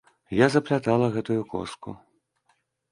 Я заплятала гэтую коску.